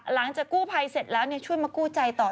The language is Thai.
หลังจากกู้ภัยเสร็จแล้วช่วยมากู้ใจต่อ